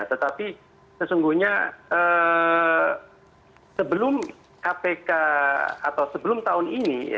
tetapi sesungguhnya sebelum kpk atau sebelum tahun ini